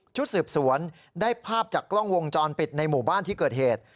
ชุดสืบสวนได้ภาพจากกล้องวงจรปิดในหมู่บ้านที่เกิดเหตุ